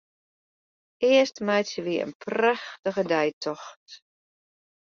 Earst meitsje wy in prachtige deitocht.